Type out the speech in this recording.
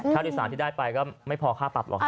ค่าโดยสารที่ได้ไปก็ไม่พอค่าปรับหรอกครับ